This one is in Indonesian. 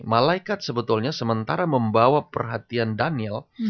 malaikat sebetulnya sementara membawa perhatian daniel